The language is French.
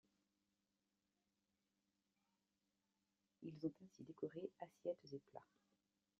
Ils ont ainsi décoré assiettes et plats.